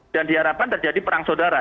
dan diharapkan terjadi perang saudara